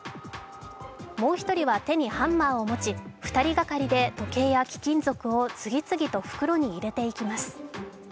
もう一人は手にハンマーを持ち２人がかりで時計や貴金属を次々と袋に入れていきます。